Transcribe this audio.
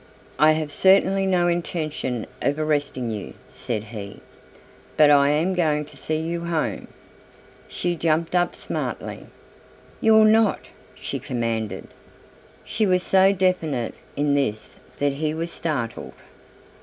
"I have certainly no intention of arresting you," said he, "but I am going to see you home!" She jumped up smartly. "You're not," she commanded. She was so definite in this that he was startled.